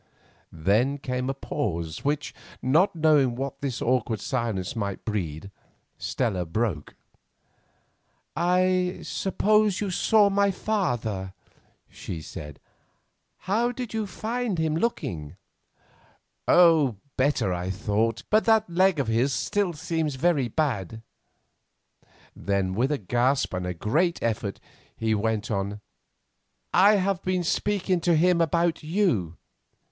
Then came a pause, which, not knowing what this awkward silence might breed, Stella broke. "I suppose you saw my father," she said; "how did you find him looking?" "Oh! better, I thought; but that leg of his still seems very bad." Then, with a gasp and a great effort, he went on: "I have been speaking to him about you."